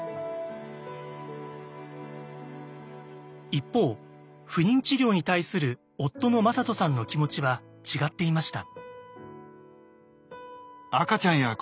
一方不妊治療に対する夫の魔裟斗さんの気持ちは違っていました。